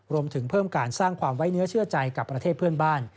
รวมถึงเพิ่มการสร้างความไว้เนื้อเชื่อใจกับประเทศเพื่อนบ้าน